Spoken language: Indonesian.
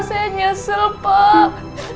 saya nyesel pak